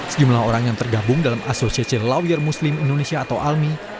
sejumlah orang yang tergabung dalam asosiasi lawyer muslim indonesia atau almi